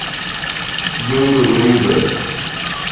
Gameleira